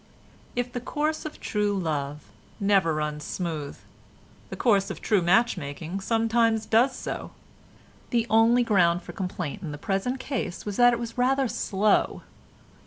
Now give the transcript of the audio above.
If the course of true love never runs smooth, the course of true match making sometimes does so. The only ground for complaint in the present case was that it was rather slow.